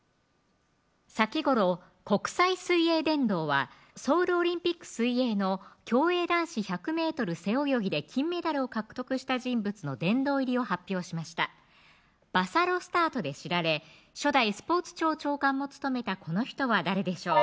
先頃国際水泳殿堂はソウルオリンピック水泳の競泳男子１００ｍ背泳ぎで金メダルを獲得した人物の殿堂入りを発表しましたバサロスタートで知られ初代スポーツ庁長官も務めたこの人は誰でしょう